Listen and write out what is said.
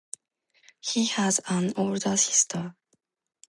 He has an older sister.